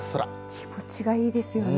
気持ちがいいですよね。